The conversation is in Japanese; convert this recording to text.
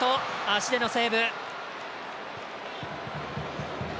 足でのセーブ。